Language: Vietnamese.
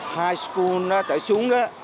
high school nó trở xuống đó